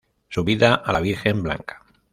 Subida a la Virgen Blanca.